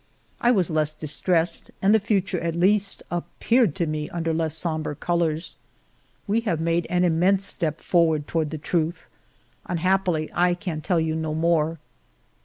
I was less dis tressed, and the future at least appeared to me under less sombre colors. ..." We have made an immense step forward toward the truth. Unhappily I can tell you no more.